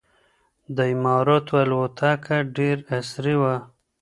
د اماراتو الوتکه ډېره عصري وه.